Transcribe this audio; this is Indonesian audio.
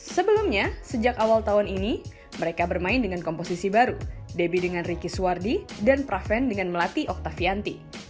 sebelumnya sejak awal tahun ini mereka bermain dengan komposisi baru debbie dengan ricky suwardi dan praven dengan melati oktavianti